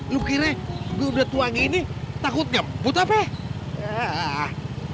lu kira gue udah tuangi ini takut gak mbut apa ya